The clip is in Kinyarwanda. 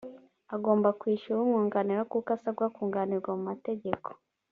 agomba kwishyura umwunganira kuko asabwa kunganirwa mu mategeko